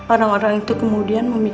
orang orang itu kemudian mencari kita